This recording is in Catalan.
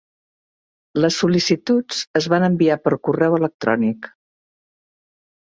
Les sol·licituds es van enviar per correu electrònic.